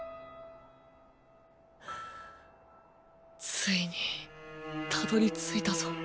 ついに辿り着いたぞ。